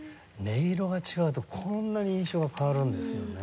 音色が違うとこんなに印象が変わるんですよね。